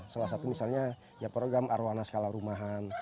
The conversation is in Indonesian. salah satu misalnya ya program arowana skala rumahan